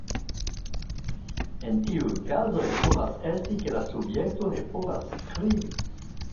En tiuj kazoj povas esti, ke la subjekto ne povas skribi.